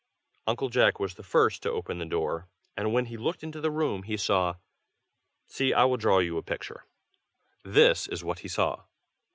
Uncle Jack was the first to open the door, and when he looked into the room, he saw see! I will draw you a picture. This is what he saw.